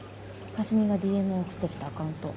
かすみがＤＭを送ってきたアカウント。